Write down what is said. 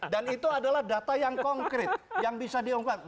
dan itu adalah data yang konkret yang bisa diunggah